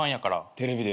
テレビで。